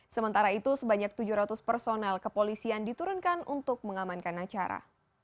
sementara itu sebanyak tujuh ratus personel kepolisian diturunkan untuk mengamankan acara